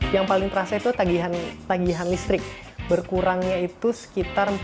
yang paling terasa itu tagihan listrik berkurangnya itu sekitar empat puluh an persen gitu